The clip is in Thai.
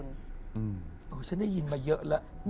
ฉันได้ยินมาเยอะแล้ว